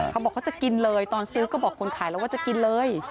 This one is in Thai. เขาบอกเขาจะกินเลยตอนซื้อก็บอกคนขายแล้วว่าจะกินเลย